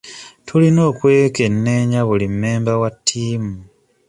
Tulina okwekenneenya buli mmemba wa ttiimu.